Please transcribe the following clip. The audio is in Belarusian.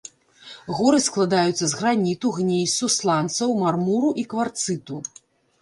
Горы складаюцца з граніту, гнейсу, сланцаў, мармуру і кварцыту.